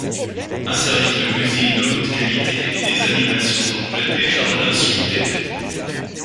Un service de cuisine de haute qualité et des animations complètent les jardins sculptés.